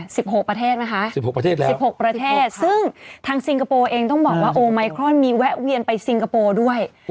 หกประเทศนะคะสิบหกประเทศแล้วสิบหกประเทศซึ่งทางซิงคโปร์เองต้องบอกว่าโอไมครอนมีแวะเวียนไปซิงคโปร์ด้วย